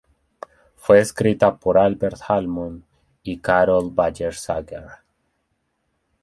Fue escrita por Albert Hammond y Carole Bayer Sager.